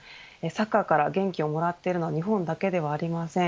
サッカーから元気をもらっているのは日本だけではありません。